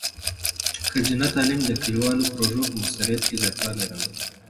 ښځینه تعلیم د کلیوالو پروژو په مؤثریت کې زیاتوالی راولي.